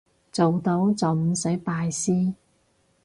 做到就唔使拜師